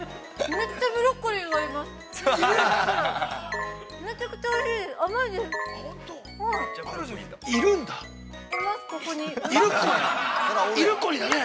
めっちゃブロッコリーがいます。